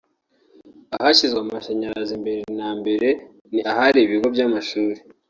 Ahashyizwe amashanyarazi mbere na mbere ni ahari ibigo by’amashuri